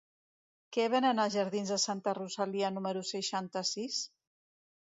Què venen als jardins de Santa Rosalia número seixanta-sis?